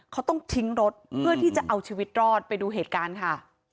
เขาต้องทิ้งรถเพื่อที่จะเอาชีวิตรอดไปดูเหตุการณ์ค่ะ